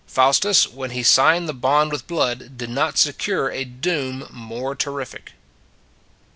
Faustus, when he signed the bond with blood, did not secure a doom more terrific."